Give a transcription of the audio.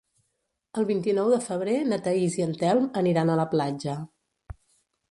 El vint-i-nou de febrer na Thaís i en Telm aniran a la platja.